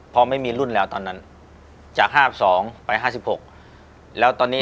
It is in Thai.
พอไม่มีรุ่นแล้วตอนนั้นจาก๕๒ไป๕๖แล้วตอนนี้